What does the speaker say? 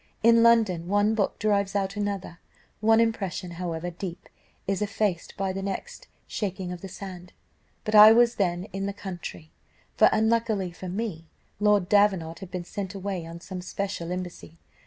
In London, one book drives out another, one impression, however deep, is effaced by the next shaking of the sand; but I was then in the country, for, unluckily for me, Lord Davenant had been sent away on some special embassy.